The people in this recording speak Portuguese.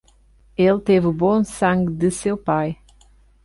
Ele teve o bom sangue de seu pai.